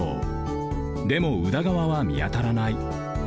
でも宇田川はみあたらない。